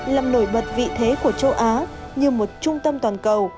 làm nổi bật vị thế của châu á như một trung tâm toàn cầu